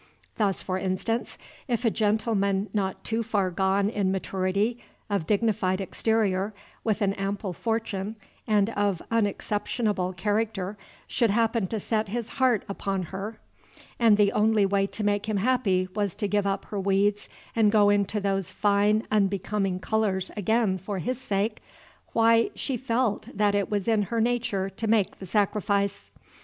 Thus, for instance, if a gentleman not too far gone in maturity, of dignified exterior, with an ample fortune, and of unexceptionable character, should happen to set his heart upon her, and the only way to make him happy was to give up her weeds and go into those unbecoming colors again for his sake, why, she felt that it was in her nature to make the sacrifice.